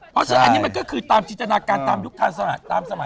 เพราะฉะนั้นอันนี้มันก็คือตามจินตนาการตามยุคทันสมัยตามสมัย